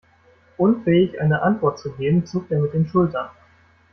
Unfähig eine Antwort zu geben, zuckt er mit den Schultern.